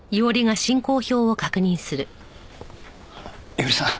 伊織さん。